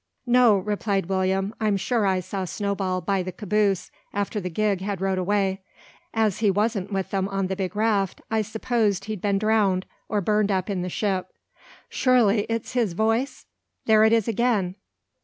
"No," replied William, "I'm sure I saw Snowball by the caboose after the gig had rowed away. As he wasn't with them on the big raft, I supposed he'd been drowned, or burned up in the ship. Surely, it's his voice? There it is again!"